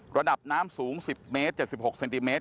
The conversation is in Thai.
ระดับน้ำสูง๑๐เมตร๗๖เซนติเมตร